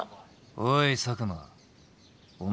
おい佐久間お前